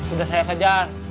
udah saya kejar